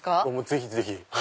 ぜひぜひ。